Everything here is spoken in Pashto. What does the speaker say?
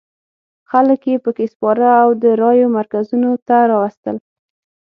خلک یې په کې سپاره او د رایو مرکزونو ته راوستل.